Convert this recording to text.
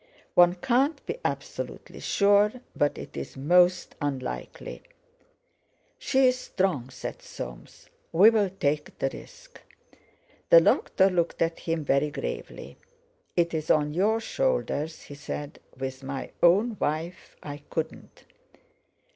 "One can't be absolutely sure, but it's most unlikely." "She's strong," said Soames; "we'll take the risk." The doctor looked at him very gravely. "It's on your shoulders," he said; "with my own wife, I couldn't."